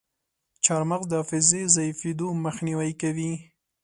چارمغز د حافظې ضعیفیدو مخنیوی کوي.